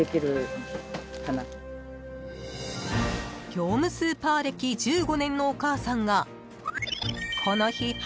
［業務スーパー歴１５年のお母さんがこの日］